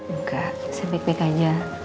enggak saya baik baik aja